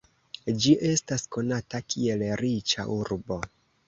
Ĝi estas konata kiel riĉa urbo.